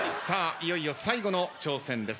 いよいよ最後の挑戦です。